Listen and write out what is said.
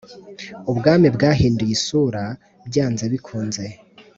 Ubwami bwahinduye isura byanze bikunze;